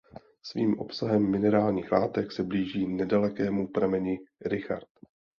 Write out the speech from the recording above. Svým obsahem minerálních látek se blíží nedalekému prameni Richard.